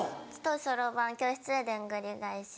そろばん教室ででんぐり返し。